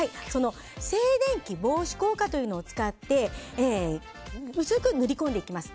静電気防止効果というのを使って薄く塗り込んでいきます。